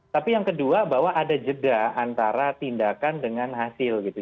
tapi yang kedua bahwa ada jeda antara tindakan dengan hasil gitu